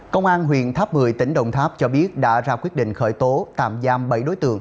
công an huyện tháp một mươi tỉnh đồng tháp cho biết đã ra quyết định khởi tố tạm giam bảy đối tượng